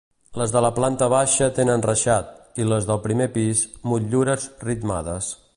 Les de la planta baixa tenen reixat, i les del primer pis, motllures ritmades.